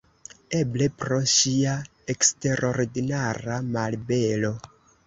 Eble pro ŝia eksterordinara malbelo.